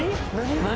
何？